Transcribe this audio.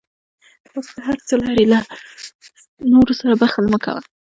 اوس ته هر څه لرې، له نورو سره بخل مه کوه.